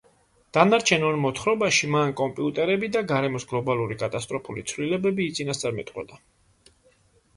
დანარჩენ ორ მოთხრობაში მან კომპიუტერები და გარემოს გლობალური კატასტროფული ცვლილებები იწინასწარმეტყველა.